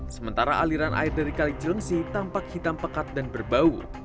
sementara aliran air dari kali cilengsi tampak hitam pekat dan berbau